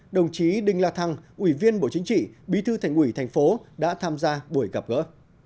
đồng chí đinh la thăng ủy viên bộ chính trị bí thư thành ủy thành phố đã tham gia buổi gặp gỡ